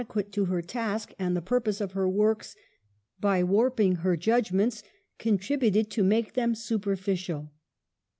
217 quate to her task, and the purpose of her works, by warping her judgments, contributed to make them superficial.